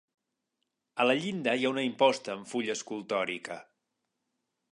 A la llinda hi ha una imposta amb fulla escultòrica.